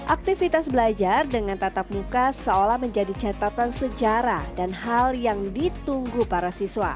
aktivitas belajar dengan tatap muka seolah menjadi catatan sejarah dan hal yang ditunggu para siswa